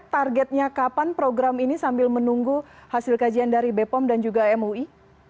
targetnya kapan program ini sambil menunggu hasil kajian dari bepom dan juga mui